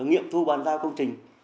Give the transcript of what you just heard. nghiệm thu bàn giao công trình